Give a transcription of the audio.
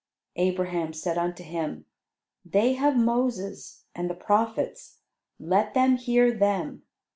Abraham said unto him, "They have Moses and the prophets; let them hear them."